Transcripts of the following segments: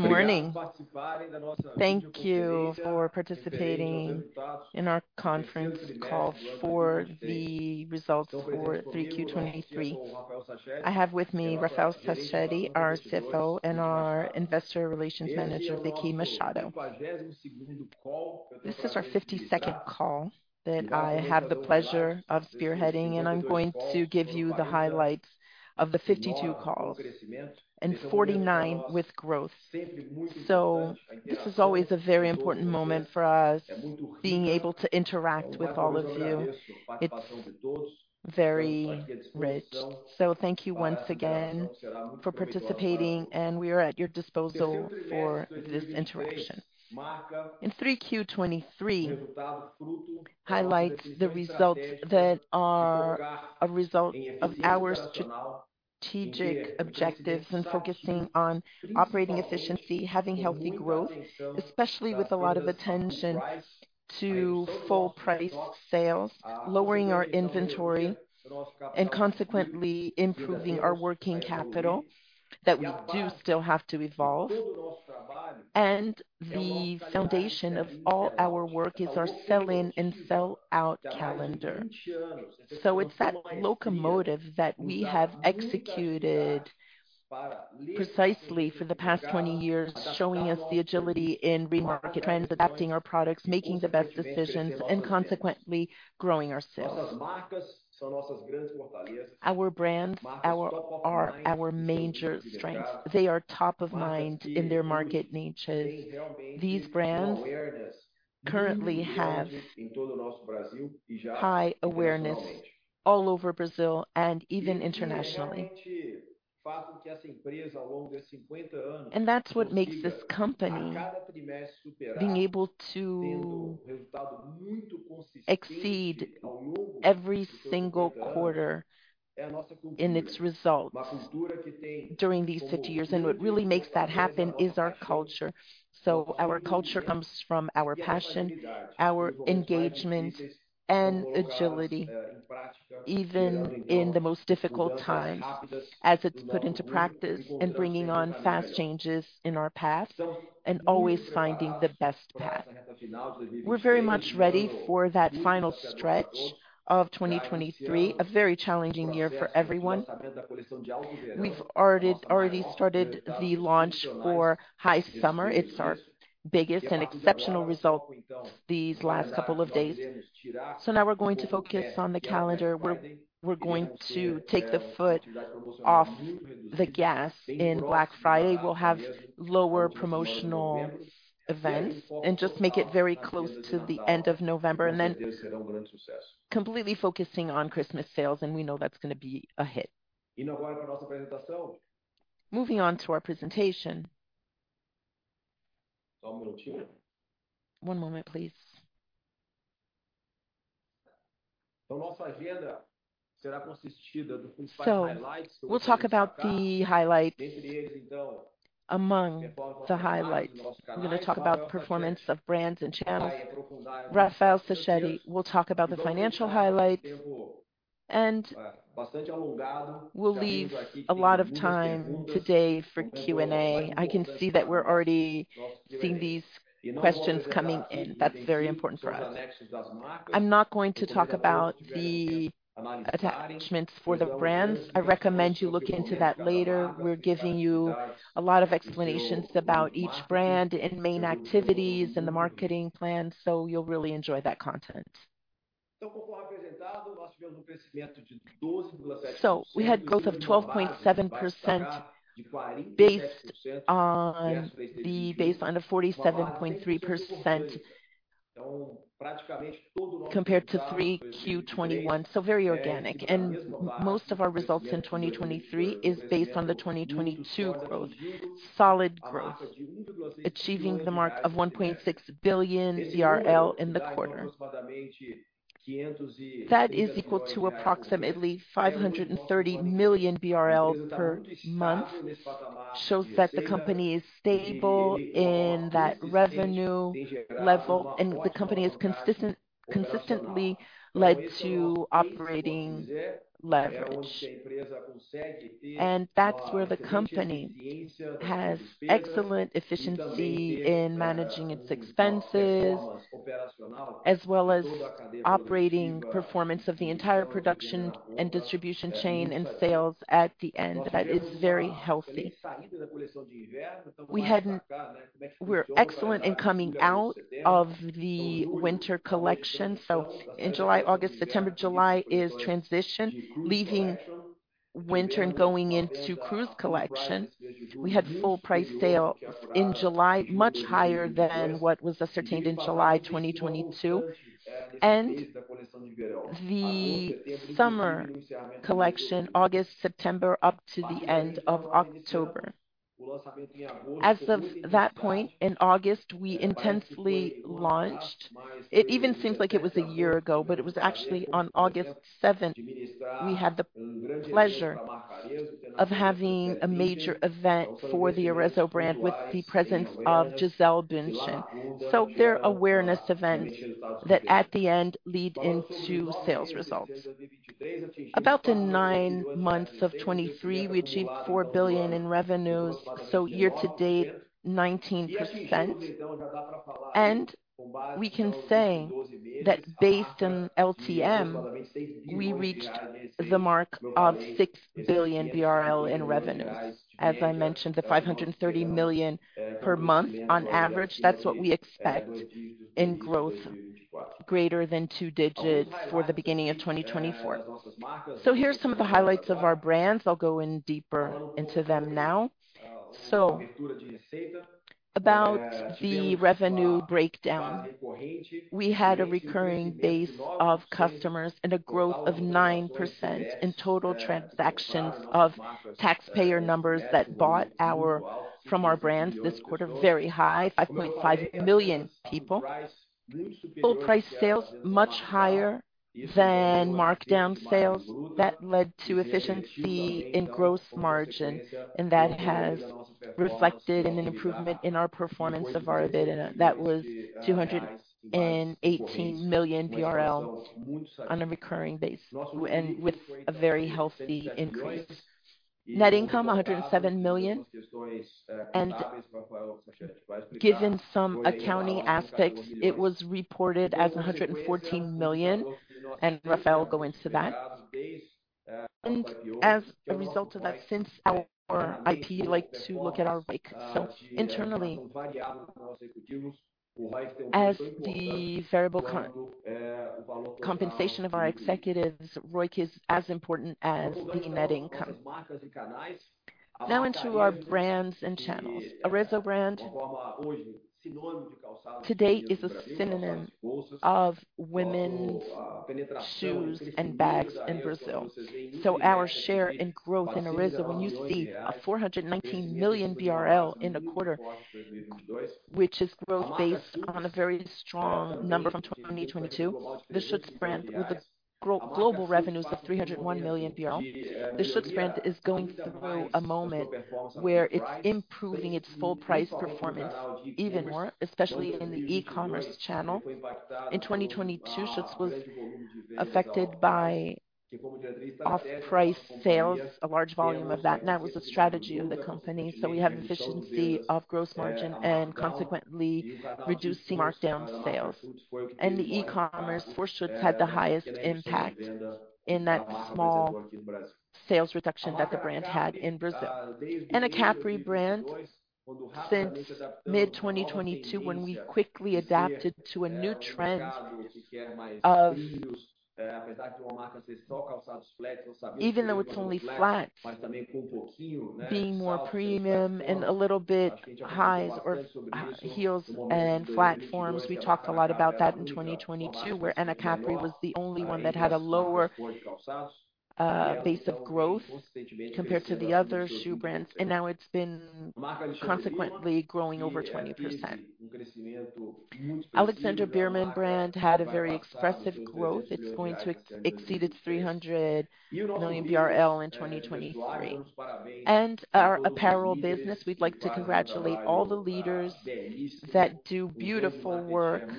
Good morning. Thank you for participating in our conference call for the results for 3Q 2023. I have with me Rafael Sachete, our CFO, and our Investor Relations Manager, Vicky Machado. This is our 52nd call that I have the pleasure of spearheading, and I'm going to give you the highlights of the 52 calls, and 49 with growth. So this is always a very important moment for us, being able to interact with all of you. It's very rich. So thank you once again for participating, and we are at your disposal for this interaction. In 3Q 2023, highlight the results that are a result of our strategic objectives and focusing on operating efficiency, having healthy growth, especially with a lot of attention to full price sales, lowering our inventory and consequently improving our working capital, that we do still have to evolve. The foundation of all our work is our sell-in and sell-out calendar. It's that locomotive that we have executed precisely for the past 20 years, showing us the agility in remarket, transacting our products, making the best decisions, and consequently growing our sales. Our brands, our-- are our major strengths. They are top of mind in their market niches. These brands currently have high awareness all over Brazil and even internationally. That's what makes this company being able to exceed every single quarter in its results during these 50 years, and what really makes that happen is our culture. Our culture comes from our passion, our engagement, and agility, even in the most difficult times, as it's put into practice and bringing on fast changes in our path and always finding the best path. We're very much ready for that final stretch of 2023, a very challenging year for everyone. We've already started the launch for high summer. It's our biggest and exceptional result these last couple of days. So now we're going to focus on the calendar. We're going to take the foot off the gas in Black Friday. We'll have lower promotional events and just make it very close to the end of November, and then completely focusing on Christmas sales, and we know that's gonna be a hit. Moving on to our presentation. One moment, please. So we'll talk about the highlights. Among the highlights, I'm gonna talk about the performance of brands and channels. Rafael Sachete will talk about the financial highlights, and we'll leave a lot of time today for Q&A. I can see that we're already seeing these questions coming in. That's very important for us. I'm not going to talk about the attachments for the brands. I recommend you look into that later. We're giving you a lot of explanations about each brand and main activities and the marketing plan, so you'll really enjoy that content. We had growth of 12.7% based on the baseline of 47.3%, compared to 3Q 2021, so very organic. Most of our results in 2023 is based on the 2022 growth, solid growth, achieving the mark of 1.6 billion in the quarter. That is equal to approximately 530 million BRL per month, shows that the company is stable in that revenue level, and the company is consistently led to operating leverage. That's where the company has excellent efficiency in managing its expenses, as well as operating performance of the entire production and distribution chain and sales at the end. That is very healthy. We had... We're excellent in coming out of the winter collection. So in July, August, September, July is transition, leaving winter and going into cruise collection. We had full price sales in July, much higher than what was ascertained in July 2022. And the summer collection, August, September, up to the end of October. As of that point in August, we intensely launched. It even seems like it was a year ago, but it was actually on August seventh, we had the pleasure of having a major event for the Arezzo brand, with the presence of Gisele Bündchen. So their awareness event that at the end lead into sales results. About the 9 months of 2023, we achieved 4 billion in revenues, so year to date, 19%. We can say that based on LTM, we reached the mark of 6 billion BRL in revenue. As I mentioned, 530 million per month on average, that's what we expect in growth greater than 2 digits for the beginning of 2024. So here are some of the highlights of our brands. I'll go in deeper into them now. So, about the revenue breakdown, we had a recurring base of customers and a growth of 9% in total transactions of taxpayer numbers that bought from our brands this quarter, very high, 5.5 million people. Full price sales, much higher than markdown sales. That led to efficiency in gross margin, and that has reflected in an improvement in our performance of our EBITDA. That was 218 million BRL on a recurring basis, and with a very healthy increase. Net income, 107 million. Given some accounting aspects, it was reported as 114 million, and Rafael will go into that. As a result of that, since our IR like to look at our ROIC, so internally, as the variable compensation of our executives, ROIC is as important as the net income. Now into our brands and channels. Arezzo brand, today, is a synonym of women's shoes and bags in Brazil. So our share and growth in Arezzo, when you see 419 million BRL in a quarter, which is growth based on a very strong number from 2022, the Schutz brand, with global revenues of BRL 301 million. The Schutz brand is going through a moment where it's improving its full price performance even more, especially in the e-commerce channel. In 2022, Schutz was affected by off-price sales, a large volume of that, and that was a strategy of the company. So we have efficiency of gross margin and consequently reducing markdown sales. And the e-commerce for Schutz had the highest impact in that small sales reduction that the brand had in Brazil. Anacapri brand, since mid-2022, when we quickly adapted to a new trend of... even though it's only flat, being more premium and a little bit highs or heels and platforms. We talked a lot about that in 2022, where Anacapri was the only 1 that had a lower, base of growth compared to the other shoe brands, and now it's been consequently growing over 20%. Alexandre Birman brand had a very expressive growth. It's going to exceed its 300 million BRL in 2023. Our apparel business, we'd like to congratulate all the leaders that do beautiful work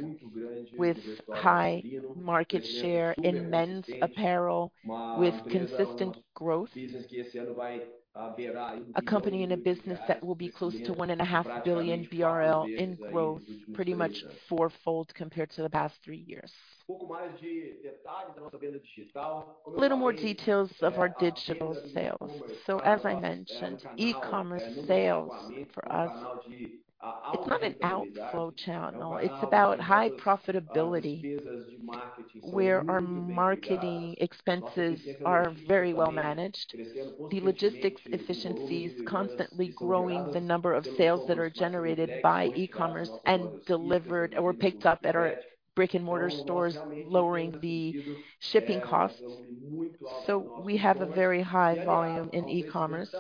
with high market share in men's apparel, with consistent growth. A company in a business that will be close to 1.5 billion BRL in growth, pretty much fourfold compared to the past 3 years. A little more details of our digital sales. As I mentioned, e-commerce sales for us, it's not an outflow channel, it's about high profitability, where our marketing expenses are very well managed. The logistics efficiencies, constantly growing the number of sales that are generated by e-commerce and delivered or picked up at our brick-and-mortar stores, lowering the shipping costs. So we have a very high volume in e-commerce.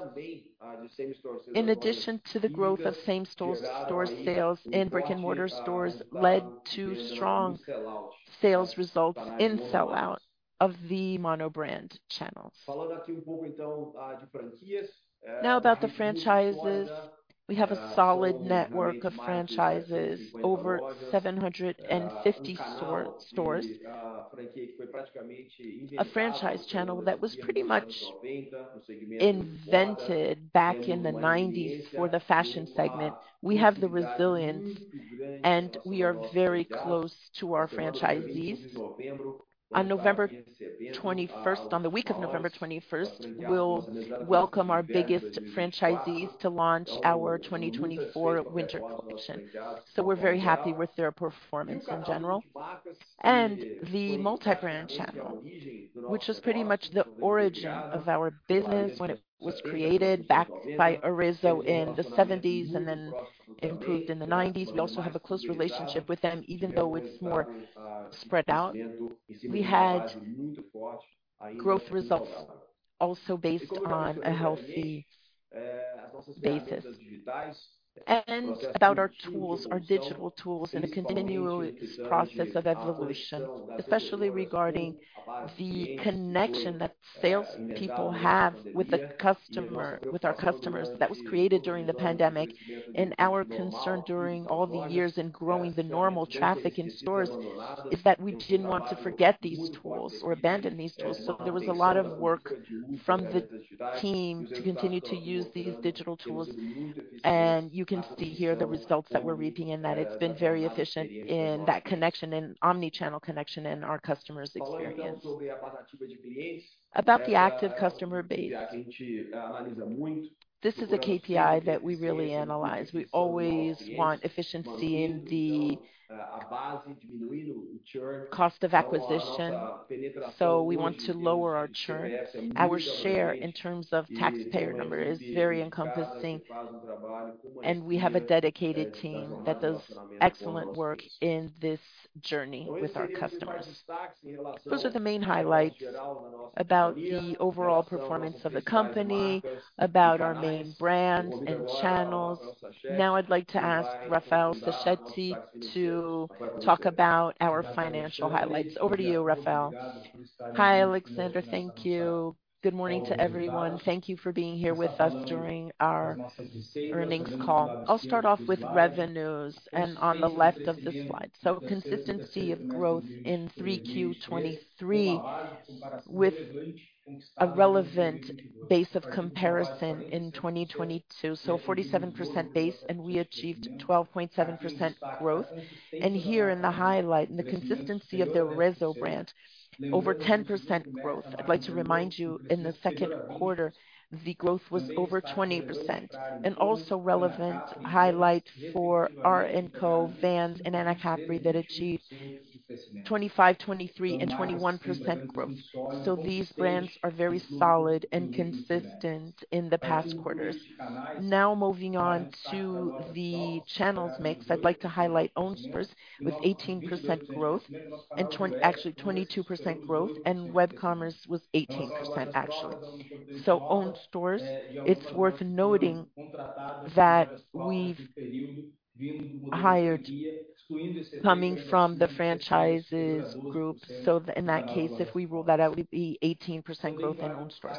In addition to the growth of same-store sales and brick-and-mortar stores led to strong sales results in sell-out of the monobrand channels. Now, about the franchises, we have a solid network of franchises, over 750 stores. A franchise channel that was pretty much invented back in the '90s for the fashion segment. We have the resilience, and we are very close to our franchisees. On the week of November twenty-first, we'll welcome our biggest franchisees to launch our 2024 winter collection. So we're very happy with their performance in general. And the multibrand channel, which is pretty much the origin of our business when it was created back by Arezzo in the '70s and then improved in the '90s. We also have a close relationship with them, even though it's more spread out. We had growth results also based on a healthy basis. About our tools, our digital tools, in a continuous process of evolution, especially regarding the connection that sales people have with the customer, with our customers, that was created during the pandemic. Our concern during all the years in growing the normal traffic in stores is that we didn't want to forget these tools or abandon these tools. There was a lot of work from the team to continue to use these digital tools, and you can see here the results that we're reaping, and that it's been very efficient in that connection, in omni-channel connection and our customers' experience. About the active customer base, this is a KPI that we really analyze. We always want efficiency in the cost of acquisition, so we want to lower our churn. Our share in terms of taxpayer number is very encompassing, and we have a dedicated team that does excellent work in this journey with our customers. Those are the main highlights about the overall performance of the company, about our main brands and channels. Now, I'd like to ask Rafael Sachete to talk about our financial highlights. Over to you, Rafael. Hi, Alexandre. Thank you. Good morning to everyone. Thank you for being here with us during our earnings call. I'll start off with revenues, and on the left of the slide. So, consistency of growth in Q3 2023, with a relevant base of comparison in 2022. So, 47% base, and we achieved 12.7% growth. And here in the highlight, and the consistency of the Arezzo brand, over 10% growth. I'd like to remind you, in the second quarter, the growth was over 20%. And also relevant highlight for AR&Co, Vans, and Anacapri, that achieved 25%, 23%, and 21% growth. So, these brands are very solid and consistent in the past quarters. Now, moving on to the channels mix, I'd like to highlight owned stores with 18% growth, and actually 22% growth, and web commerce was 18%, actually. So owned stores, it's worth noting that we've hired, coming from the franchises groups, so in that case, if we rule that out, it would be 18% growth in owned stores.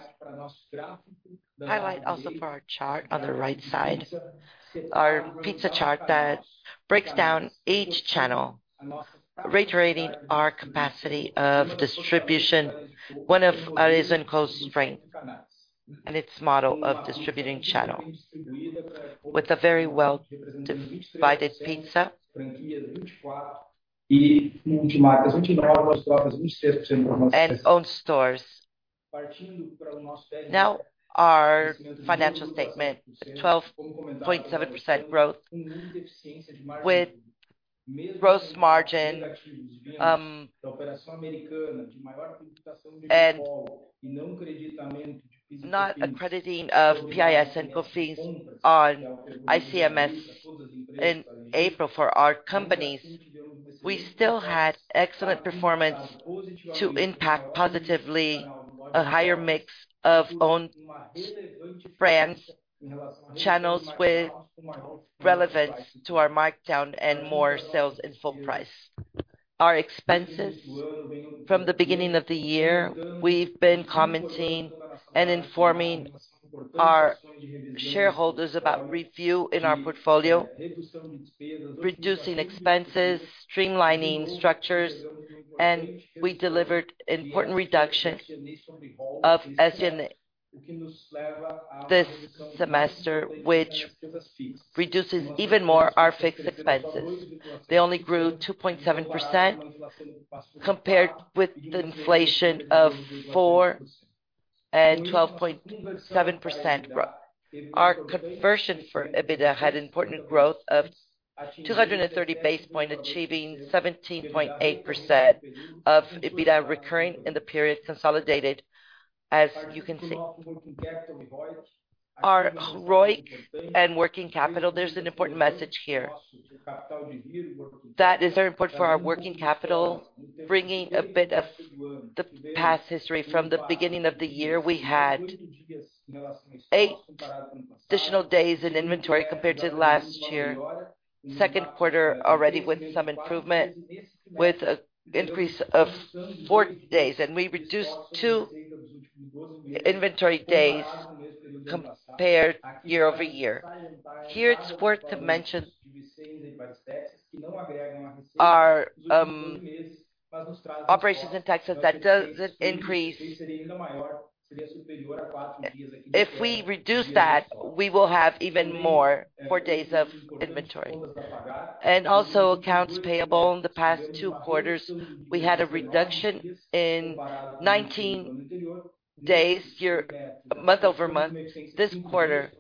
Highlight also for our chart on the right side, our pizza chart that breaks down each channel, reiterating our capacity of distribution, one of Arezzo&Co's strength and its model of distributing channel, with a very well-divided pizza. And owned stores. Now, our financial statement, 12.7% growth with gross margin, and not crediting of PIS/COFINS on ICMS in April for our companies. We still had excellent performance to impact positively a higher mix of owned brands, channels with relevance to our markdown, and more sales in full price. Our expenses from the beginning of the year, we've been commenting and informing our shareholders about review in our portfolio, reducing expenses, streamlining structures, and we delivered important reduction of SG&A this semester, which reduces even more our fixed expenses. They only grew 2.7% compared with the inflation of 4% and 12.7% growth. Our conversion for EBITDA had an important growth of 230 basis points, achieving 17.8% of EBITDA recurring in the period consolidated, as you can see. Our ROIC and working capital, there's an important message here. That is very important for our working capital, bringing a bit of the past history. From the beginning of the year, we had 8 additional days in inventory compared to last year, second quarter, already with some improvement, with an increase of 4 days, and we reduced 2 inventory days compared year-over-year. Here, it's worth mentioning our operations in Texas that don't increase. If we reduce that, we will have even more days of inventory. And also, accounts payable in the past 2 quarters, we had a reduction in nineteen days month-over-month. This quarter,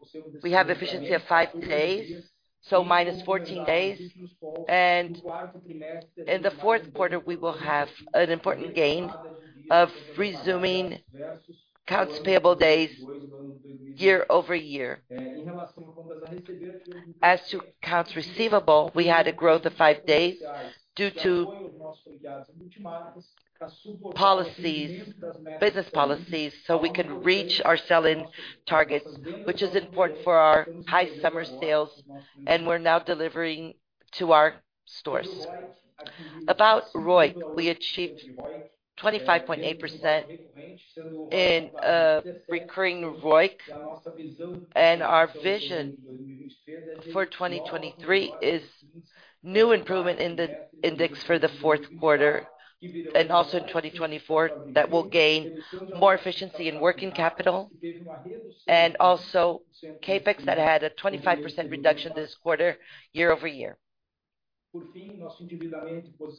we have efficiency of 5 days, so minus fourteen days. And in the fourth quarter, we will have an important gain of resuming accounts payable days year-over-year. As to accounts receivable, we had a growth of 5 days due to policies, business policies, so we could reach our sell-in targets, which is important for our high summer sales, and we're now delivering to our stores. About ROIC, we achieved 25.8% in recurring ROIC, and our vision for 2023 is new improvement in the index for the fourth quarter, and also in 2024, that will gain more efficiency in working capital, and also CapEx that had a 25% reduction this quarter, year-over-year.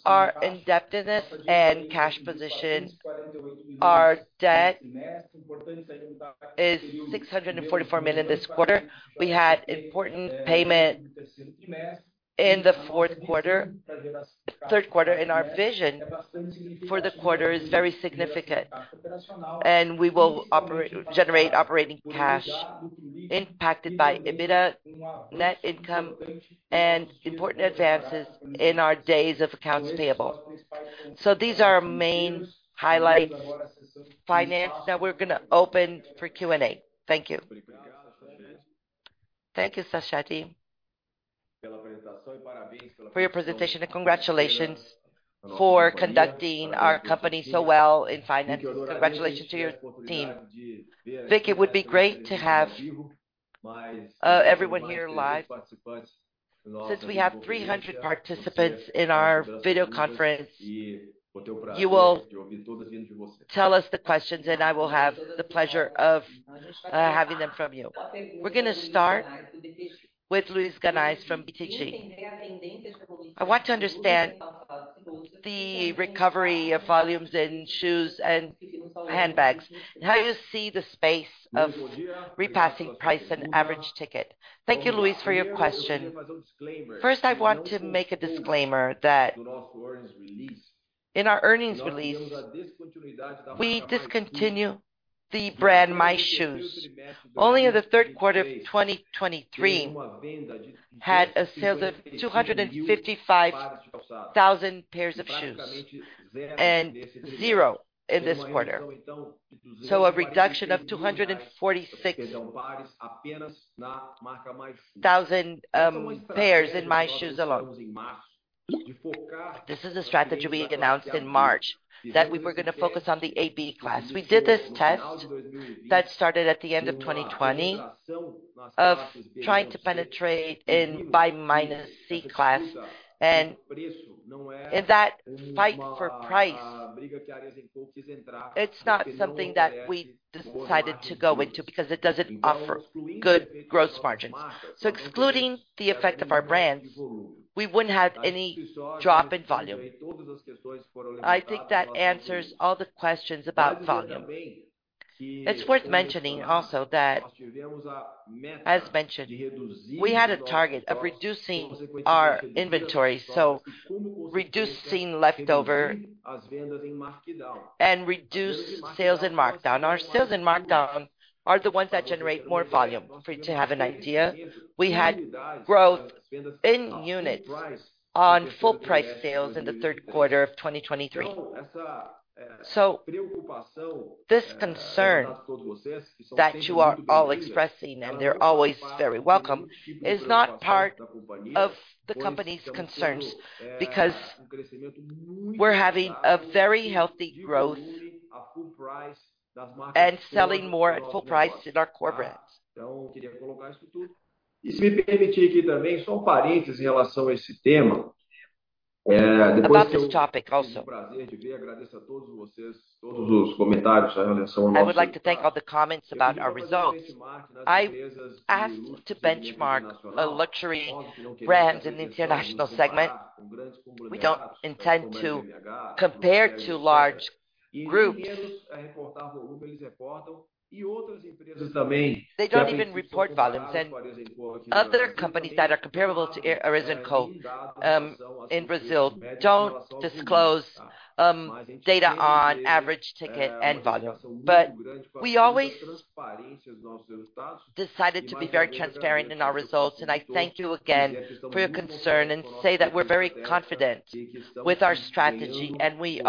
Our indebtedness and cash position, our debt is 644 million this quarter. We had important payment in the fourth quarter, third quarter, and our vision for the quarter is very significant, and we will operate, generate operating cash, impacted by EBITDA, net income and important advances in our days of accounts payable. So these are our main highlights, finance. Now we're gonna open for Q&A. Thank you. Thank you, Sachete, for your presentation, and congratulations for conducting our company so well in finance. Congratulations to your team. Vic, it would be great to have everyone here live, since we have 300 participants in our video conference. You will tell us the questions, and I will have the pleasure of having them from you. We're gonna start with Luiz Guanais from BTG. I want to understand the recovery of volumes in shoes and handbags. How do you see the space of repassing price and average ticket? Thank you, Luis, for your question. First, I want to make a disclaimer that in our earnings release, we discontinue the brand, MyShoes. Only in the third quarter of 2023 had sales of 255,000 pairs of shoes, and 0 in this quarter. So a reduction of 246,000, um, pairs in MyShoes alone. This is a strategy we announced in March, that we were gonna focus on the AB class. We did this test that started at the end of 2020, of trying to penetrate in B minus C class. And in that fight for price, it's not something that we decided to go into, because it doesn't offer good gross margins. So excluding the effect of our brands, we wouldn't have any drop in volume. I think that answers all the questions about volume. It's worth mentioning also that, as mentioned, we had a target of reducing our inventory, so reducing leftover and reduce sales in markdown. Our sales in markdown are the ones that generate more volume. For you to have an idea, we had growth in units on full price sales in the third quarter of 2023. So this concern that you are all expressing, and they're always very welcome, is not part of the company's concerns, because we're having a very healthy growth and selling more at full price in our core brands. About this topic also. I would like to thank all the comments about our results. I've asked to benchmark a luxury brand in the international segment. We don't intend to compare to large groups. They don't even report volumes, and other companies that are comparable to Arezzo & Co. in Brazil don't disclose data on average ticket and volume. But we always decided to be very transparent in our results, and I thank you again for your concern, and say that we're very confident with our strategy, and we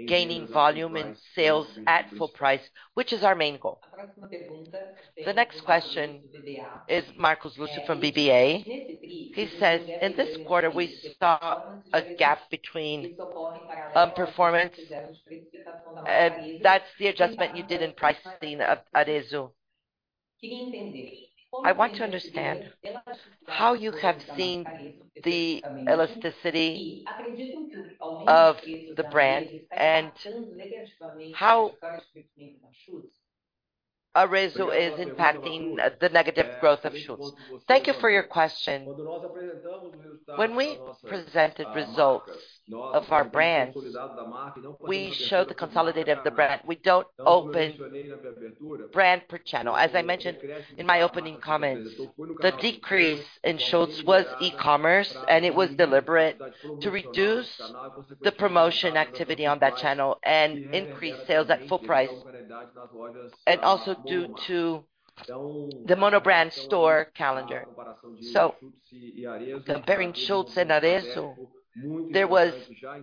are gaining volume in sales at full price, which is our main goal. The next question is Thiago Macruz from BBA. He says, "In this quarter, we saw a gap between performance, that's the adjustment you did in pricing of Arezzo. I want to understand how you have seen the elasticity of the brand, and how Arezzo is impacting the negative growth of Schutz." Thank you for your question. When we presented results of our brands, we showed the consolidated of the brand. We don't open brand per channel. As I mentioned in my opening comments, the decrease in Schutz was e-commerce, and it was deliberate to reduce the promotion activity on that channel and increase sales at full price, and also due to the monobrand store calendar. So comparing Schutz and Arezzo, there was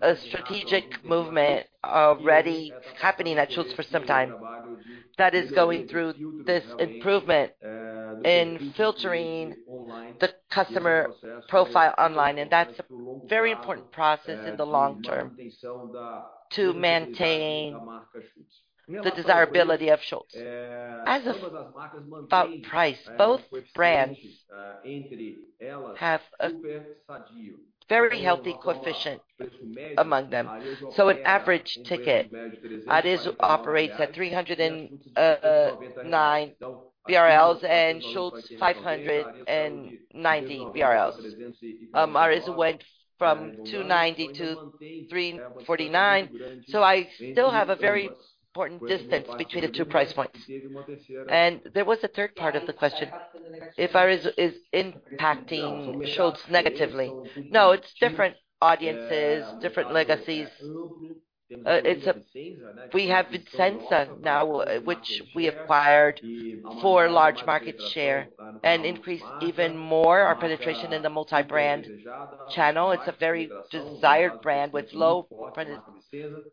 a strategic movement already happening at Schutz for some time... that is going through this improvement in filtering the customer profile online, and that's a very important process in the long term, to maintain the desirability of Schutz. As of about price, both brands have a very healthy coefficient among them. So an average ticket, Arezzo operates at 309 BRL, and Schutz, 590 BRL. Arezzo went from 290 to 349, so I still have a very important distance between the 2 price points. And there was a third part of the question, if Arezzo is impacting Schutz negatively? No, it's different audiences, different legacies. It's we have Vicenza now, which we acquired for large market share and increase even more our penetration in the multi-brand channel. It's a very desired brand with low penetration.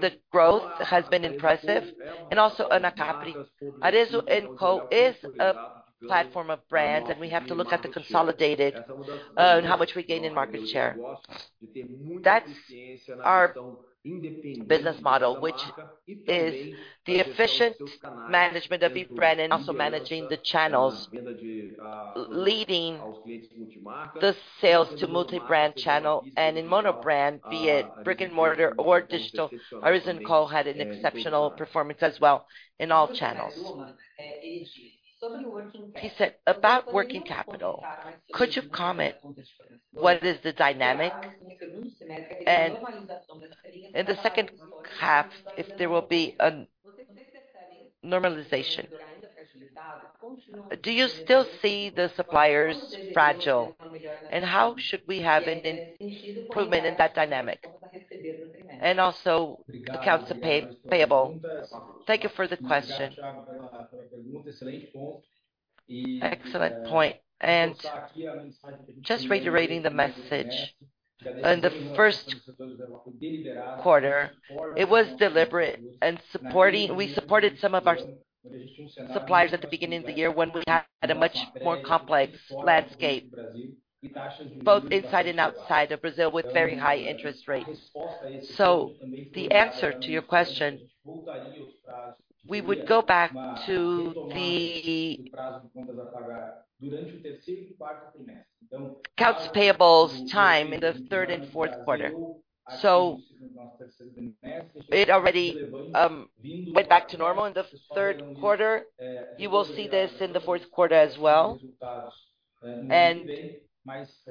The growth has been impressive, and also in Anacapri. Arezzo&Co is a platform of brands, and we have to look at the consolidated, and how much we gain in market share. That's our business model, which is the efficient management of each brand and also managing the channels, leading the sales to multi-brand channel. And in monobrand, be it brick-and-mortar or digital, Arezzo&Co had an exceptional performance as well in all channels. He said about working capital, could you comment what is the dynamic? And in the second half, if there will be a normalization. Do you still see the suppliers fragile, and how should we have an improvement in that dynamic, and also the accounts payable? Thank you for the question. Excellent point, and just reiterating the message. In the first quarter, it was deliberate and supporting. We supported some of our suppliers at the beginning of the year when we had a much more complex landscape, both inside and outside of Brazil, with very high interest rates. So the answer to your question, we would go back to the accounts payables time in the third and fourth quarter. So it already went back to normal in the third quarter. You will see this in the fourth quarter as well, and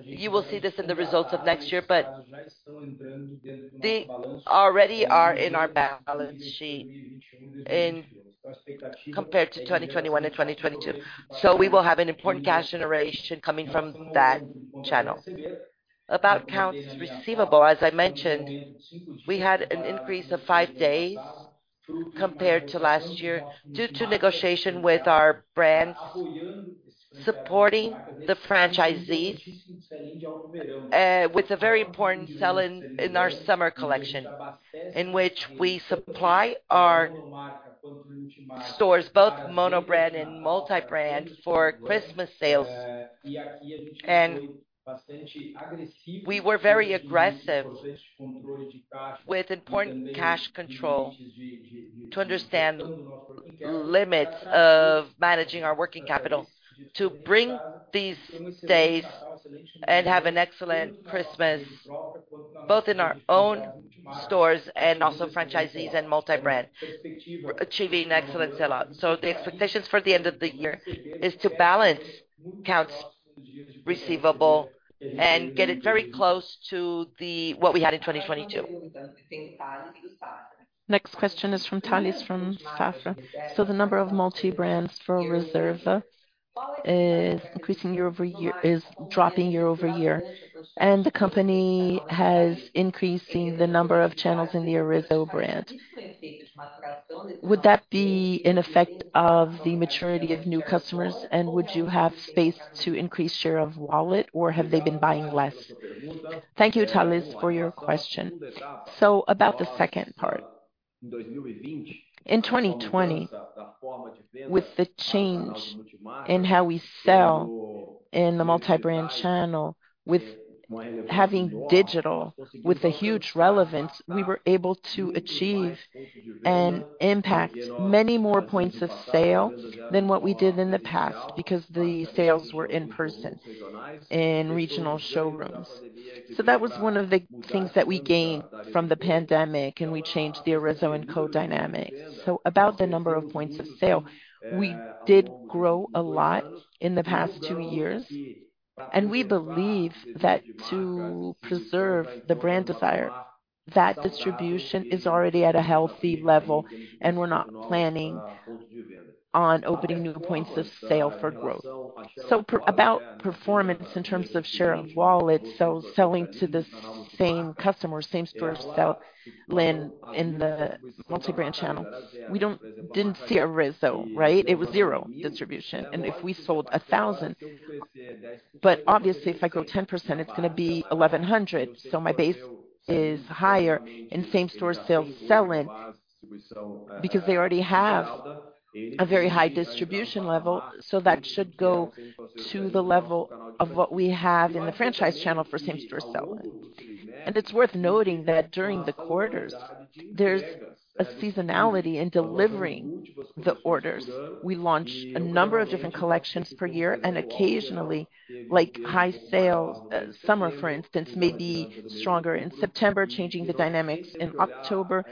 you will see this in the results of next year, but they already are in our balance sheet in... compared to 2021 and 2022. So we will have an important cash generation coming from that channel. About accounts receivable, as I mentioned, we had an increase of 5 days compared to last year due to negotiation with our brands, supporting the franchisees, with a very important sell-in, in our summer collection, in which we supply our stores, both monobrand and multi-brand, for Christmas sales. And we were very aggressive with important cash control to understand limits of managing our working capital, to bring these days and have an excellent Christmas, both in our own stores and also franchisees and multi-brand, achieving excellent sell-out. So the expectations for the end of the year is to balance accounts receivable and get it very close to the—what we had in 2022. Next question is from Tales, from Safra. So the number of multi-brands for Reserva is increasing year-over-year—is dropping year-over-year, and the company has increasing the number of channels in the Arezzo brand. Would that be an effect of the maturity of new customers, and would you have space to increase share of wallet, or have they been buying less? Thank you, Tales, for your question. So about the second part, in 2020, with the change in how we sell in the multi-brand channel, with having digital, with the huge relevance, we were able to achieve and impact many more points of sale than what we did in the past, because the sales were in person, in regional showrooms. So that was one of the things that we gained from the pandemic, and we changed the Arezzo&Co dynamics. So about the number of points of sale, we did grow a lot in the past 2 years, and we believe that to preserve the brand desire, that distribution is already at a healthy level, and we're not planning on opening new points of sale for growth. So about performance in terms of share of wallet, so selling to the same customer, same store sell in the multi-brand channels, we didn't see Arezzo, right? It was zero distribution, and if we sold 1,000, but obviously, if I grow 10%, it's gonna be 1,100. So my base is higher, and same-store sales sell in-... because they already have a very high distribution level, so that should go to the level of what we have in the franchise channel for same-store sell-in. And it's worth noting that during the quarters, there's a seasonality in delivering the orders. We launch a number of different collections per year, and occasionally, like high sales, summer, for instance, may be stronger in September, changing the dynamics in October.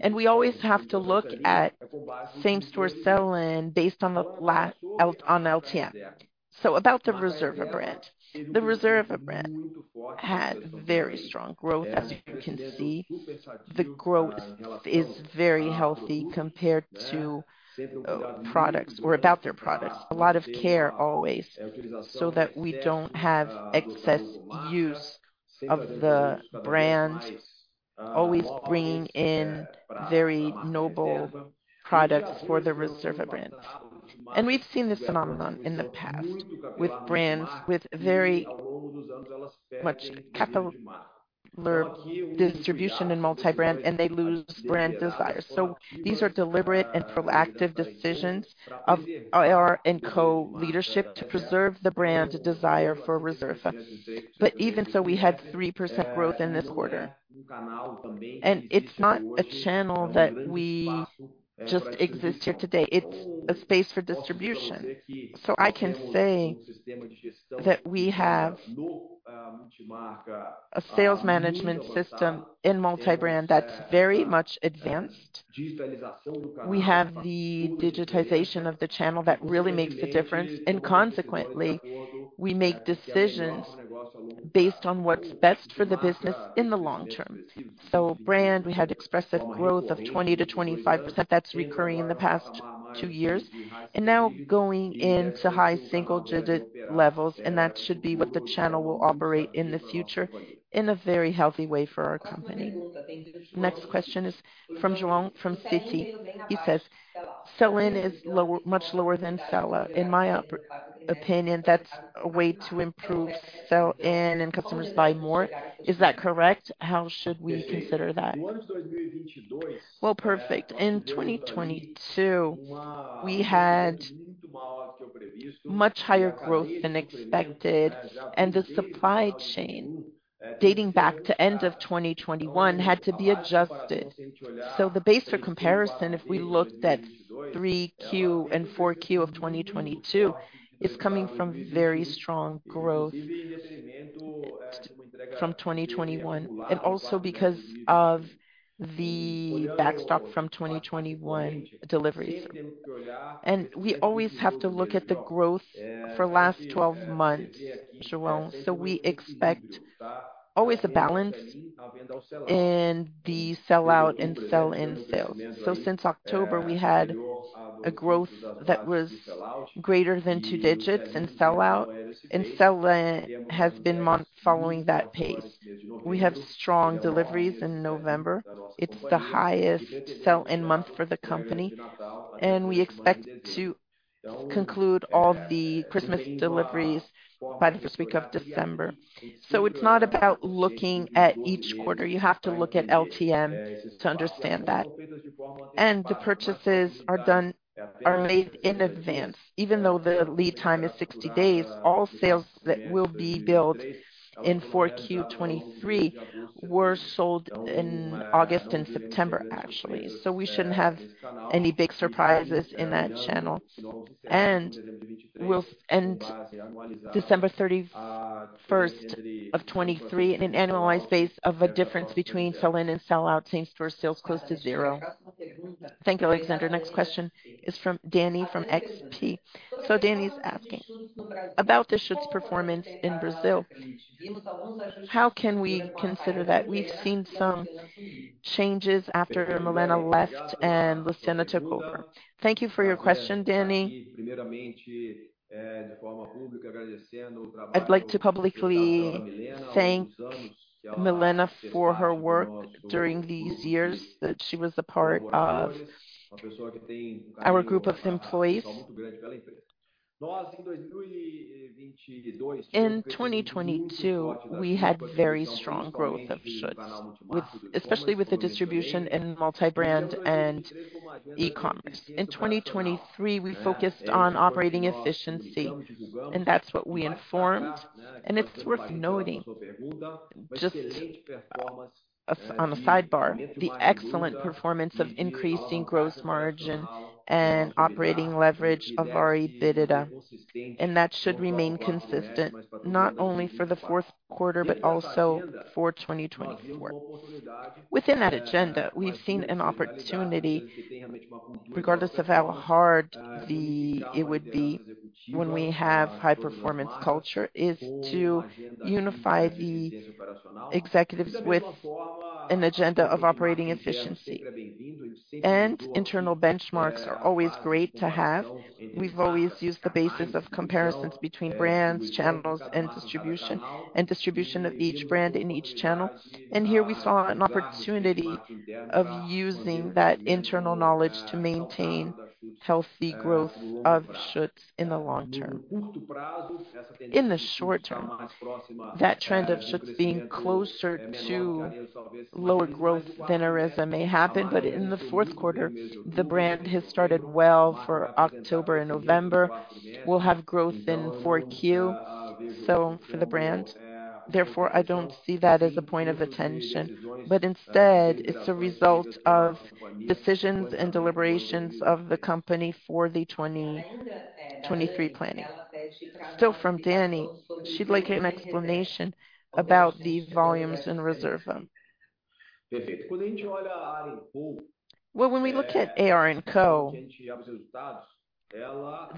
And we always have to look at same-store sell-in based on LTM. So about the Reserva brand. The Reserva brand had very strong growth. As you can see, the growth is very healthy compared to, products or about their products. A lot of care always, so that we don't have excess use of the brand, always bringing in very noble products for the Reserva brand. We've seen this phenomenon in the past with brands with very much capital distribution and multi-brand, and they lose brand desire. So these are deliberate and proactive decisions of AR&Co leadership to preserve the brand desire for Reserva. But even so, we had 3% growth in this quarter. And it's not a channel that we just exist here today, it's a space for distribution. So I can say that we have a sales management system in multi-brand that's very much advanced. We have the digitization of the channel that really makes a difference, and consequently, we make decisions based on what's best for the business in the long term. So brand, we had expressive growth of 20%-25% that's recurring in the past 2 years, and now going into high single-digit levels, and that should be what the channel will operate in the future in a very healthy way for our company. Next question is from Joao, from Citi. He says, "Sell-in is lower, much lower than sellout. In my opinion, that's a way to improve sell-in and customers buy more. Is that correct? How should we consider that?" Well, perfect. In 2022, we had much higher growth than expected, and the supply chain, dating back to end of 2021, had to be adjusted. So the base for comparison, if we looked at 3Q and 4Q of 2022, is coming from very strong growth from 2021, and also because of the backstock from 2021 deliveries. And we always have to look at the growth for last twelve months, Joao. So we expect always a balance in the sell-out and sell-in sales. So since October, we had a growth that was greater than 2 digits in sell-out, and sell-in has been months following that pace. We have strong deliveries in November. It's the highest sell-in month for the company, and we expect to conclude all the Christmas deliveries by the first week of December. So it's not about looking at each quarter. You have to look at LTM to understand that. And the purchases are made in advance. Even though the lead time is 60 days, all sales that will be built in 4Q 2023 were sold in August and September, actually. So we shouldn't have any big surprises in that channel. We'll end December 31, 2023 in an annualized base of a difference between sell-in and sell-out same store sales close to zero. Thank you, Alexandre. Next question is from Dani, from XP. So Dani is asking, about the Schutz performance in Brazil, how can we consider that? We've seen some changes after Milena left and Luciana took over. Thank you for your question, Dani. I'd like to publicly thank Milena for her work during these years, that she was a part of our group of employees. In 2022, we had very strong growth of Schutz, with, especially with the distribution in multi-brand and e-commerce. In 2023, we focused on operating efficiency, and that's what we informed. It's worth noting, just as on a sidebar, the excellent performance of increasing gross margin and operating leverage of our EBITDA, and that should remain consistent not only for the fourth quarter, but also for 2024. Within that agenda, we've seen an opportunity, regardless of how hard it would be when we have high performance culture, is to unify the executives with an agenda of operating efficiency. Internal benchmarks are always great to have. We've always used the basis of comparisons between brands, channels, and distribution, and distribution of each brand in each channel. Here we saw an opportunity of using that internal knowledge to maintain healthy growth of Schutz in the long term. In the short term, that trend of Schutz being closer to lower growth than Arezzo may happen, but in the fourth quarter, the brand has started well for October and November. We'll have growth in Q4, so for the brand. Therefore, I don't see that as a point of attention, but instead, it's a result of decisions and deliberations of the company for the 2023 planning. Still from Dani, she'd like an explanation about the volumes in Reserva. Well, when we look at AR&Co,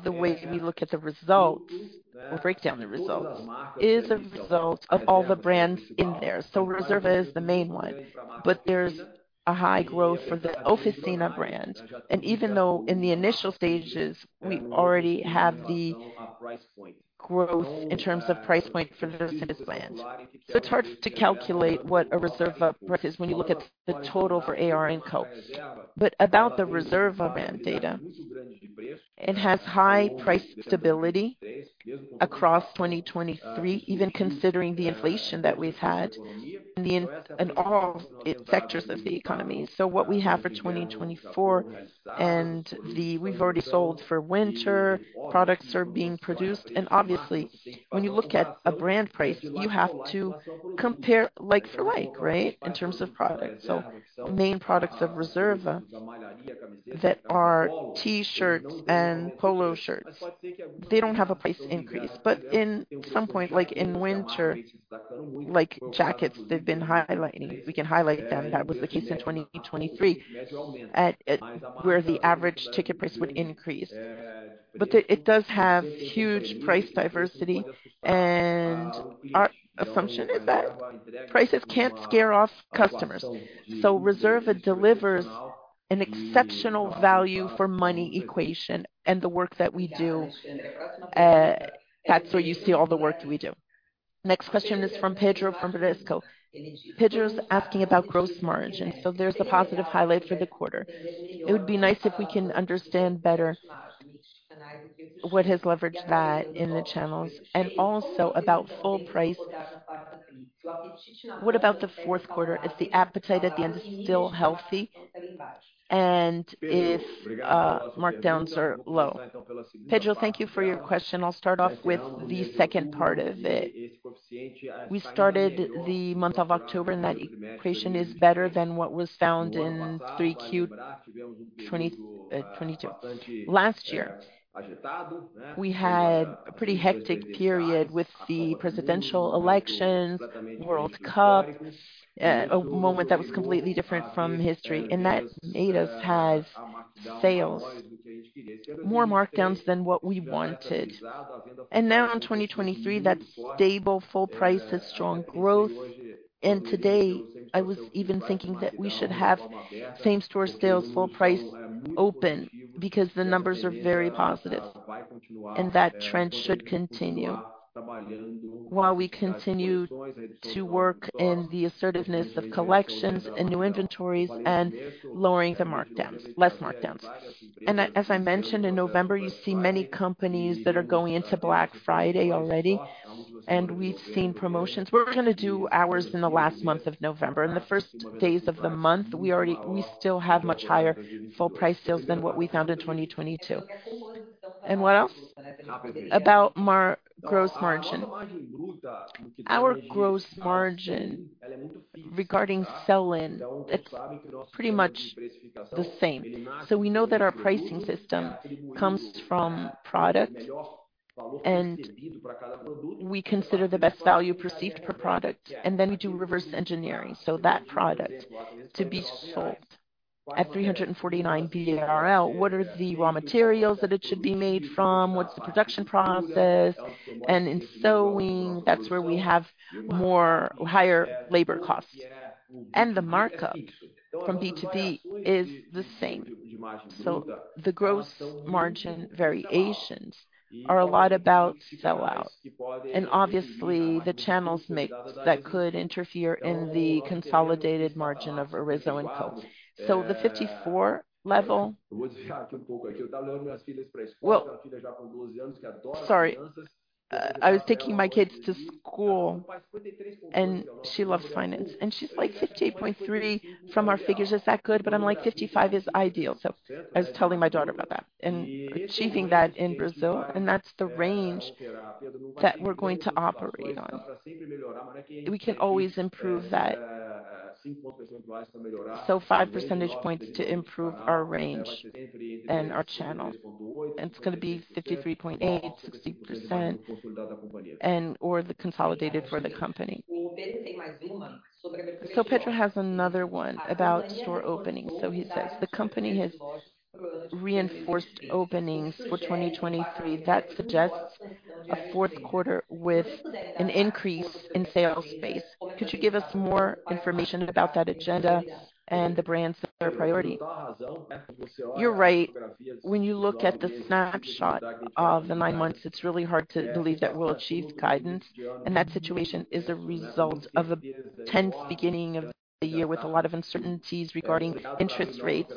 the way we look at the results or break down the results is a result of all the brands in there. So Reserva is the main one, but there's a high growth for the Oficina brand, and even though in the initial stages, we already have the growth in terms of price point for the business brand. So it's hard to calculate what a Reserva brand is when you look at the total for AR&Co. But about the Reserva brand data, it has high price stability across 2023, even considering the inflation that we've had in the, in all sectors of the economy. So what we have for 2024 and the—we've already sold for winter, products are being produced, and obviously, when you look at a brand price, you have to compare like for like, right, in terms of products. So the main products of Reserva that are T-shirts and polo shirts, they don't have a price increase, but in some point, like in winter, like jackets, they've been highlighting. We can highlight them. That was the case in 2023, at, at where the average ticket price would increase. But it, it does have huge price diversity, and our assumption is that prices can't scare off customers. So Reserva delivers an exceptional value for money equation and the work that we do, that's where you see all the work we do. Next question is from Pedro, from Bradesco. Pedro's asking about gross margin, so there's a positive highlight for the quarter. It would be nice if we can understand better what has leveraged that in the channels and also about full price. What about the fourth quarter? Is the appetite at the end is still healthy, and if markdowns are low? Pedro, thank you for your question. I'll start off with the second part of it. We started the month of October, and that equation is better than what was found in 3Q 2020, 2022. Last year, we had a pretty hectic period with the presidential elections, World Cup, a moment that was completely different from history, and that made us have sales, more markdowns than what we wanted. And now in 2023, that stable, full-price has strong growth, and today, I was even thinking that we should have same-store sales, full-price open, because the numbers are very positive and that trend should continue. While we continue to work in the assertiveness of collections and new inventories and lowering the markdowns, less markdowns. And as I mentioned, in November, you see many companies that are going into Black Friday already, and we've seen promotions. We're gonna do ours in the last month of November. In the first days of the month, we still have much higher full-price sales than what we found in 2022. And what else? About gross margin. Our gross margin regarding sell-in, it's pretty much the same. So we know that our pricing system comes from product, and we consider the best value perceived per product, and then we do reverse engineering. So that product to be sold at 349 BRL, what are the raw materials that it should be made from? What's the production process? And in sewing, that's where we have more higher labor costs. And the markup from B2B is the same. So the gross margin variations are a lot about sell-out, and obviously, the channels make that could interfere in the consolidated margin of Arezzo&Co. So the 54 level... Well, sorry, I was taking my kids to school, and she loves finance, and she's like, "58.3 from our figures, is that good?" But I'm like, "55 is ideal." So I was telling my daughter about that and achieving that in Brazil, and that's the range that we're going to operate on. We can always improve that. So 5 percentage points to improve our range and our channel. It's gonna be 53.8%-60%, and or the consolidated for the company. Petra has another one about store openings. He says, "The company has reinforced openings for 2023. That suggests a fourth quarter with an increase in sales space. Could you give us more information about that agenda and the brands that are priority? You're right. When you look at the snapshot of the 9 months, it's really hard to believe that we'll achieve guidance, and that situation is a result of a tense beginning of the year with a lot of uncertainties regarding interest rates.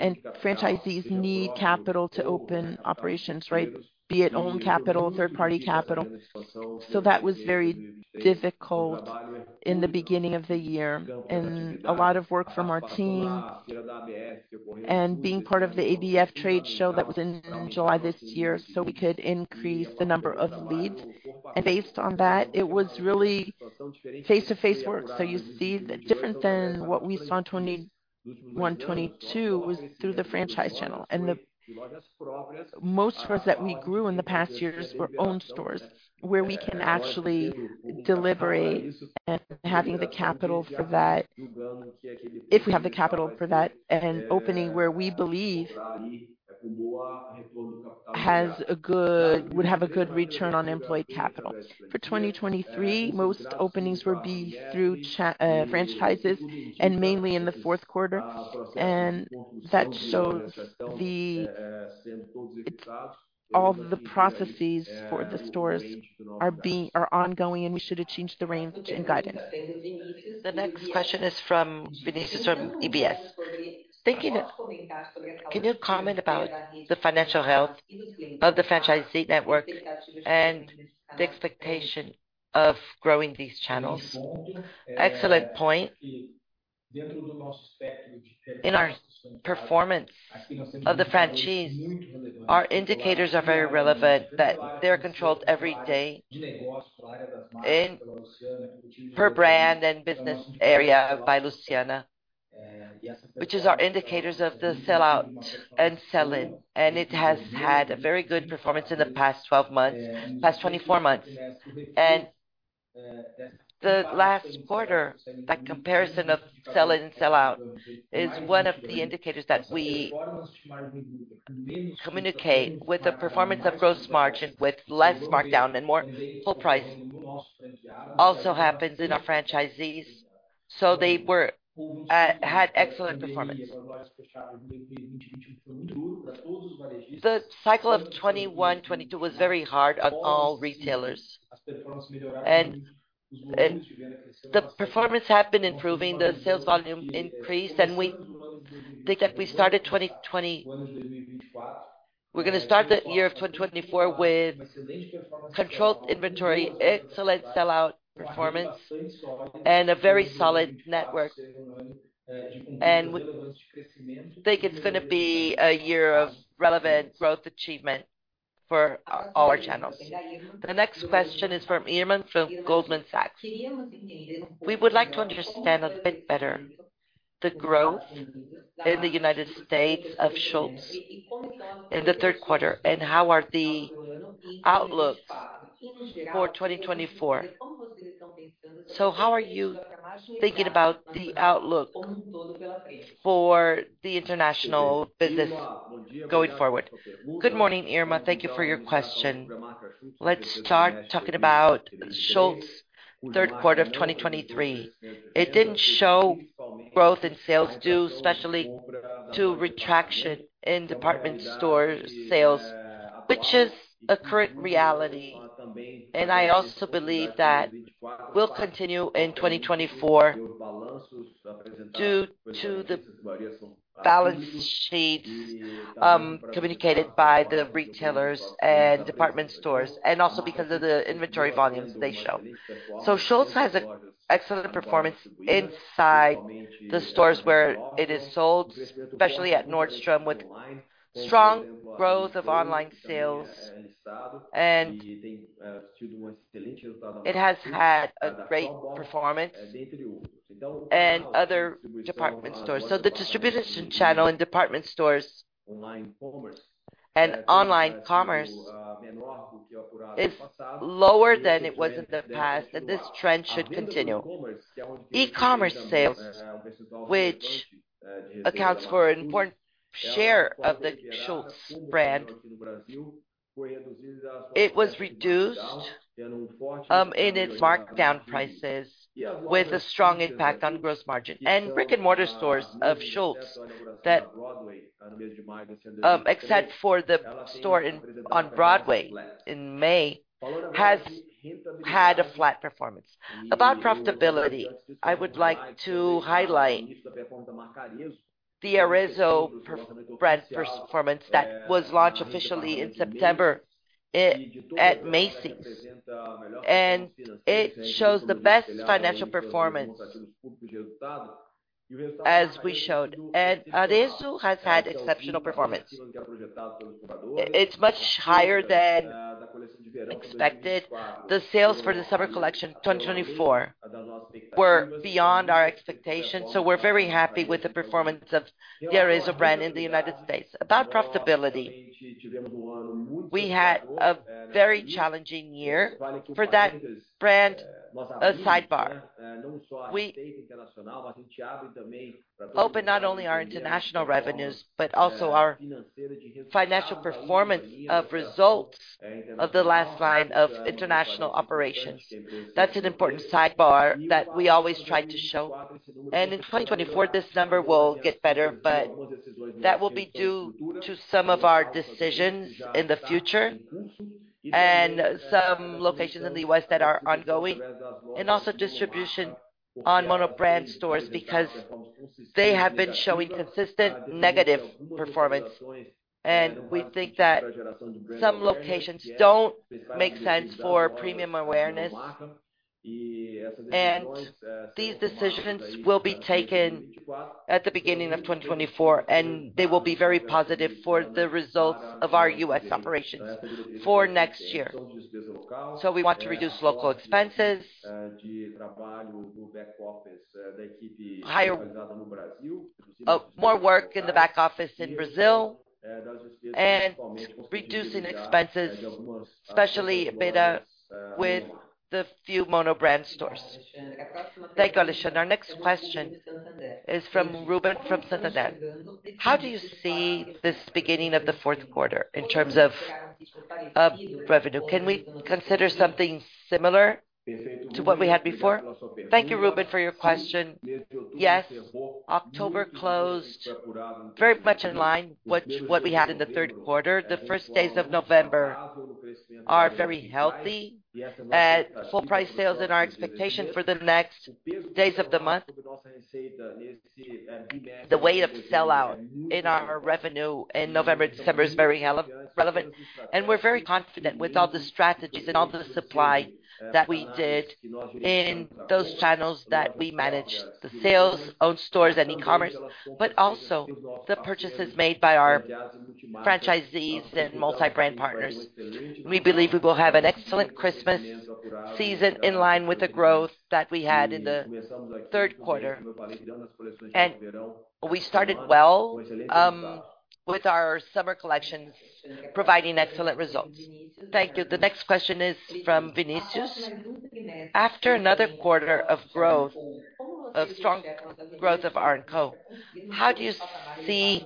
And franchisees need capital to open operations, right? Be it own capital, third-party capital. So that was very difficult in the beginning of the year and a lot of work for our team.... and being part of the ABF trade show that was in July this year, so we could increase the number of leads. And based on that, it was really face-to-face work. So you see that different than what we saw in 2021, 2022, was through the franchise channel. And the most stores that we grew in the past years were own stores, where we can actually delivery and having the capital for that, if we have the capital for that, and opening where we believe would have a good return on employed capital. For 2023, most openings will be through franchises and mainly in the fourth quarter. And that shows it's all the processes for the stores are being ongoing, and we should have changed the range and guidance. The next question is from Vinicius, from UBS. Thinking, can you comment about the financial health of the franchisee network and the expectation of growing these channels? Excellent point. In our performance of the franchisees, our indicators are very relevant that they're controlled every day in per brand and business area by Luciana, which is our indicators of the sell out and sell in, and it has had a very good performance in the past 12 months-- past 24 months. And the last quarter, that comparison of sell in and sell out, is one of the indicators that we communicate with the performance of gross margin, with less markdown and more full price, also happens in our franchisees. So they were, had excellent performance. The cycle of 2021, 2022 was very hard on all retailers, and, and the performance have been improving, the sales volume increased, and we think that we started 2020... We're gonna start the year of 2024 with controlled inventory, excellent sell-out performance, and a very solid network. We think it's gonna be a year of relevant growth achievement for our, our channels. The next question is from Irma, from Goldman Sachs. We would like to understand a bit better the growth in the United States of Schutz in the third quarter, and how are the outlook for 2024. So how are you thinking about the outlook for the international business going forward? Good morning, Irma. Thank you for your question. Let's start talking about Schutz third quarter of 2023. It didn't show growth in sales due especially to retraction in department store sales, which is a current reality, and I also believe that will continue in 2024, due to the balance sheets, communicated by the retailers and department stores, and also because of the inventory volumes they show. So Schutz has an excellent performance inside the stores where it is sold, especially at Nordstrom, with strong growth of online sales, and it has had a great performance in other department stores. So the distribution channel in department stores and online commerce is lower than it was in the past, and this trend should continue. E-commerce sales, which accounts for an important share of the Schutz brand, it was reduced, in its markdown prices with a strong impact on gross margin. Brick-and-mortar stores of Schutz that, except for the store on Broadway in May, has had a flat performance. About profitability, I would like to highlight the Arezzo brand performance that was launched officially in September at Macy's, and it shows the best financial performance as we showed. Arezzo has had exceptional performance. It's much higher than expected. The sales for the summer collection, 2024, were beyond our expectations, so we're very happy with the performance of the Arezzo brand in the United States. About profitability, we had a very challenging year for that brand. A sidebar, we open not only our international revenues, but also our financial performance of results of the last line of international operations. That's an important sidebar that we always try to show. In 2024, this number will get better, but that will be due to some of our decisions in the future and some locations in the U.S. that are ongoing, and also distribution on monobrand stores, because they have been showing consistent negative performance. We think that some locations don't make sense for premium awareness.... These decisions will be taken at the beginning of 2024, and they will be very positive for the results of our U.S. operations for next year. So we want to reduce local expenses. More work in the back office in Brazil, and reducing expenses, especially a bit with the few monobrand stores. Thank you, Alexandre. Our next question is from Ruben, from Santander. How do you see this beginning of the fourth quarter in terms of, of revenue? Can we consider something similar to what we had before? Thank you, Ruben, for your question. Yes, October closed very much in line with what we had in the third quarter. The first days of November are very healthy, at full price sales and our expectation for the next days of the month. The weight of sell out in our revenue in November and December is very relevant, and we're very confident with all the strategies and all the supply that we did in those channels, that we manage the sales, own stores and e-commerce, but also the purchases made by our franchisees and multi-brand partners. We believe we will have an excellent Christmas season in line with the growth that we had in the third quarter. And we started well with our summer collection, providing excellent results. Thank you. The next question is from Vinicius. After another quarter of growth, of strong growth of AR&Co, how do you see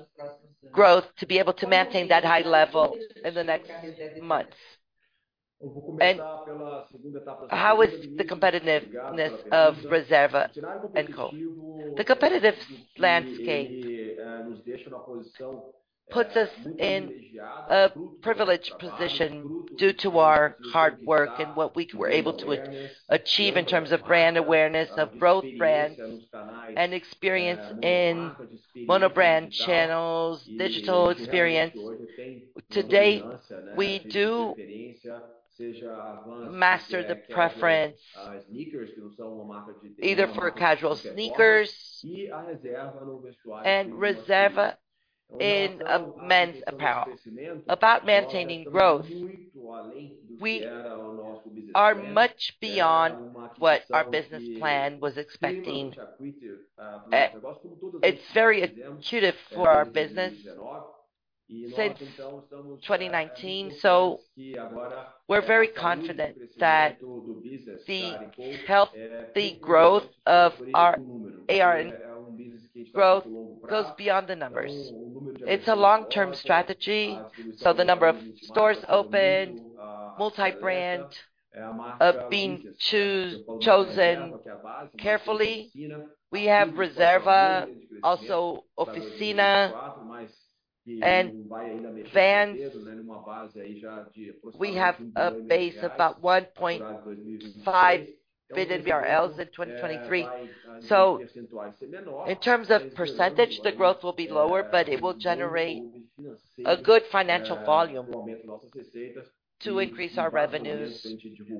growth to be able to maintain that high level in the next months? And how is the competitiveness of Reserva and Co? The competitive landscape puts us in a privileged position due to our hard work and what we were able to achieve in terms of brand awareness, of both brands, and experience in monobrand channels, digital experience. To date, we do master the preference, either for casual sneakers and Reserva in men's apparel. About maintaining growth, we are much beyond what our business plan was expecting. It's very intuitive for our business since 2019, so we're very confident that the health, the growth of our AR&Co growth goes beyond the numbers. It's a long-term strategy, so the number of stores opened, multi-brand, being chosen carefully. We have Reserva, also Oficina and Vans. We have a base of about 1.5 billion BRL in 2023. So in terms of percentage, the growth will be lower, but it will generate a good financial volume to increase our revenues.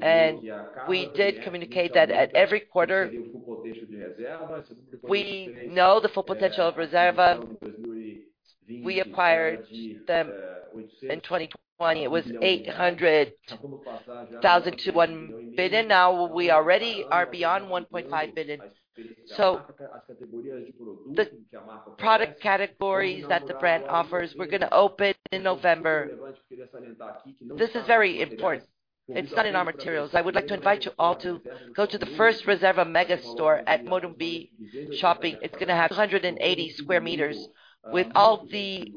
And we did communicate that at every quarter. We know the full potential of Reserva. We acquired them in 2020. It was 800,000-1 billion. Now we already are beyond 1.5 billion. So the product categories that the brand offers, we're gonna open in November. This is very important. It's not in our materials. I would like to invite you all to go to the first Reserva mega store at Morumbi Shopping. It's gonna have 280 square meters with all the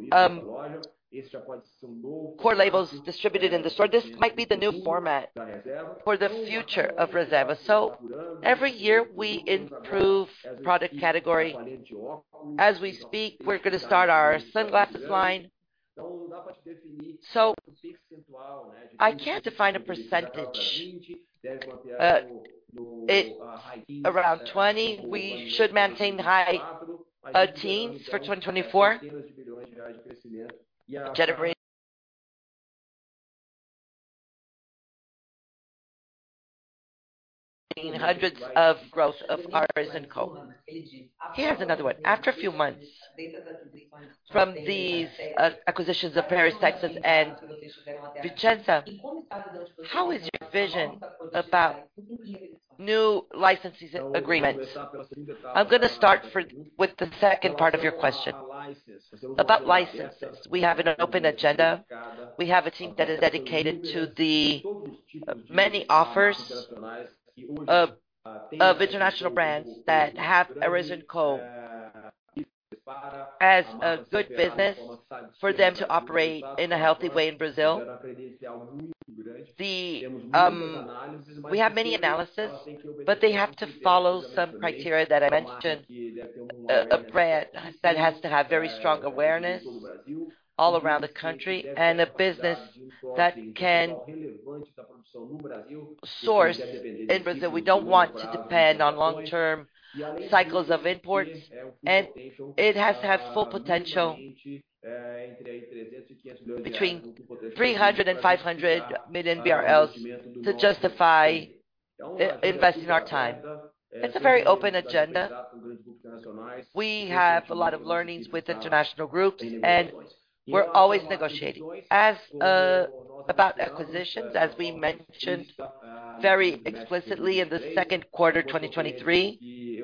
core labels distributed in the store. This might be the new format for the future of Reserva. Every year, we improve product category. As we speak, we're gonna start our sunglasses line. So I can't define a percentage. It around 20, we should maintain high teens for 2024. Generating hundred% growth of Arezzo&Co. Here's another one. After a few months from these acquisitions of Paris Texas and Vicenza, how is your vision about new licenses agreements? I'm gonna start with the second part of your question. About licenses, we have an open agenda. We have a team that is dedicated to the many offers of international brands that have AR&Co as a good business for them to operate in a healthy way in Brazil. We have many analysis, but they have to follow some criteria that I mentioned, a brand that has to have very strong awareness all around the country, and a business that can source in Brazil. We don't want to depend on long-term cycles of imports, and it has to have full potential between 300 million and 500 million BRL to justify investing our time. It's a very open agenda. We have a lot of learnings with international groups, and we're always negotiating. As about acquisitions, as we mentioned very explicitly in the second quarter, 2023,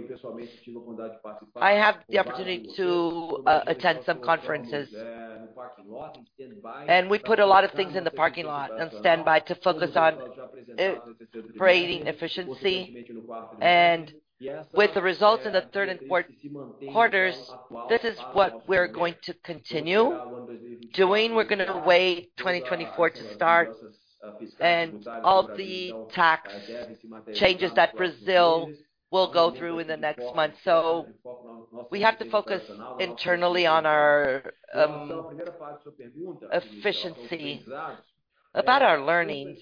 I have the opportunity to attend some conferences. We put a lot of things in the parking lot on standby to focus on creating efficiency. With the results in the third and fourth quarters, this is what we're going to continue doing. We're gonna wait 2024 to start, and all the tax changes that Brazil will go through in the next month. So we have to focus internally on our efficiency. About our learnings,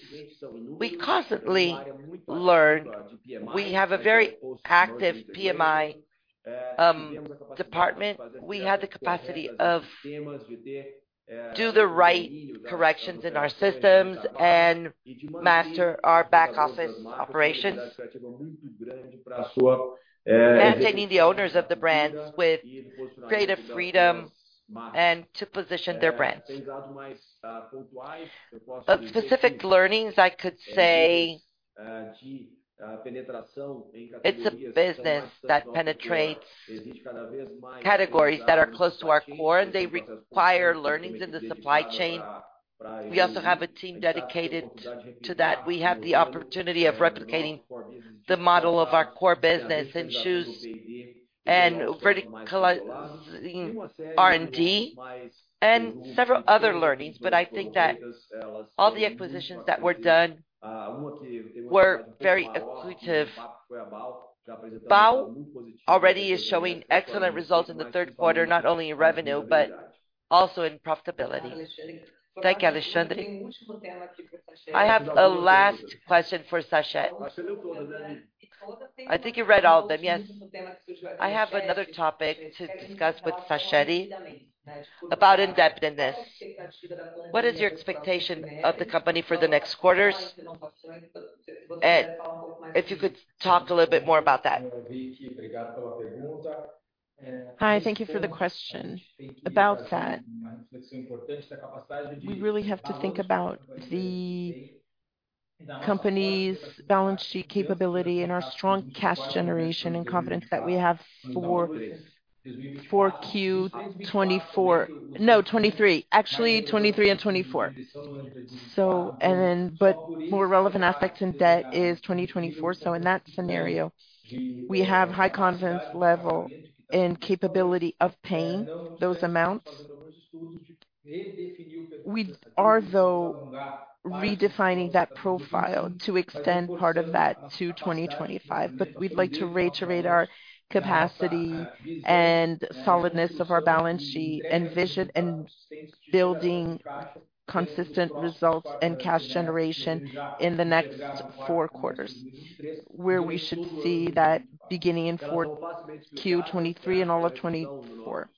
we constantly learn. We have a very active PMI department. We have the capacity of do the right corrections in our systems and master our back office operations. Maintaining the owners of the brands with creative freedom and to position their brands. Of specific learnings, I could say, it's a business that penetrates categories that are close to our core, and they require learnings in the supply chain. We also have a team dedicated to that. We have the opportunity of replicating the model of our core business and choose and verticalize R&D, and several other learnings. But I think that all the acquisitions that were done were very accretive. BAW already is showing excellent results in the third quarter, not only in revenue, but also in profitability. Thank you, Alexandre. I have a last question for Sachete. I think you read all of them. Yes. I have another topic to discuss with Sachete about indebtedness. What is your expectation of the company for the next quarters? And if you could talk a little bit more about that. Hi, thank you for the question. About that, we really have to think about the company's balance sheet capability and our strong cash generation and confidence that we have for, for Q 2024—no, 2023. Actually, 2023 and 2024. So... And then, but more relevant aspect in debt is 2024, so in that scenario, we have high confidence level and capability of paying those amounts. We are, though, redefining that profile to extend part of that to 2025, but we'd like to reiterate our capacity and solidness of our balance sheet and vision and building consistent results and cash generation in the next 4 quarters, where we should see that beginning in fourth-- Q 2023 and all of 2024.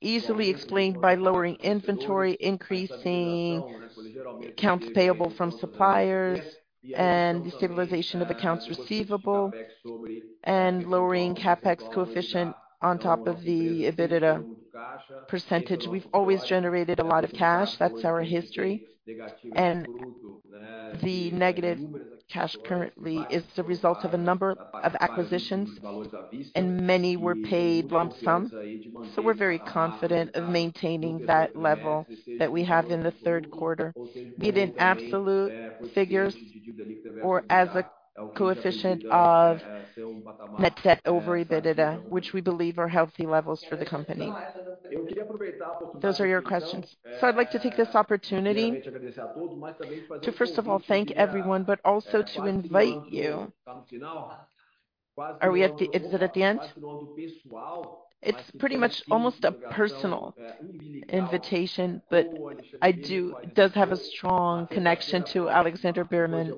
Easily explained by lowering inventory, increasing accounts payable from suppliers, and the stabilization of accounts receivable, and lowering CapEx coefficient on top of the EBITDA percentage. We've always generated a lot of cash. That's our history, and the negative cash currently is the result of a number of acquisitions, and many were paid lump sum. So we're very confident of maintaining that level that we have in the third quarter, be it in absolute figures or as a coefficient of net debt over EBITDA, which we believe are healthy levels for the company. Those are your questions. So I'd like to take this opportunity to, first of all, thank everyone, but also to invite you. Are we at the end? It's pretty much almost a personal invitation, but I do. It does have a strong connection to Alexandre Birman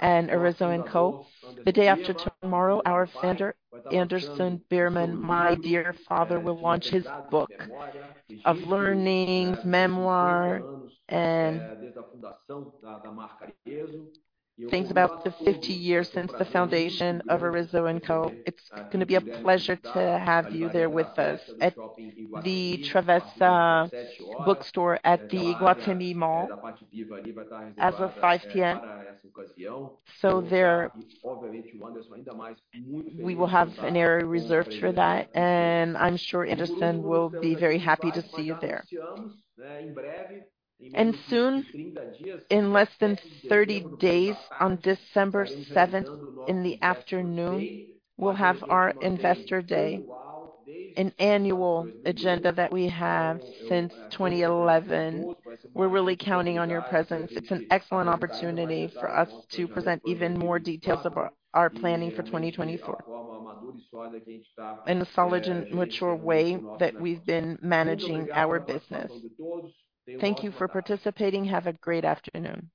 and Arezzo&Co. The day after tomorrow, our founder, Anderson Birman, my dear father, will launch his book of learnings, memoir, and thinks about the 50 years since the foundation of Arezzo&Co. It's gonna be a pleasure to have you there with us at the Travessa Bookstore at the Iguatemi Mall as of 5:00 P.M. So there, we will have an area reserved for that, and I'm sure Anderson will be very happy to see you there. Soon, in less than 30 days, on December 7th, in the afternoon, we'll have our Investor Day, an annual agenda that we have since 2011. We're really counting on your presence. It's an excellent opportunity for us to present even more details about our planning for 2024, in a solid and mature way that we've been managing our business. Thank you for participating. Have a great afternoon.